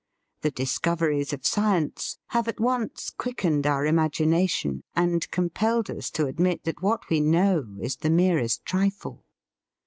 The dis coveries of science have at once quick ened our imagination and compelled us to admit that what we know is the merest trifle.